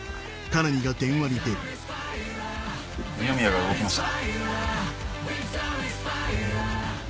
二宮が動きました。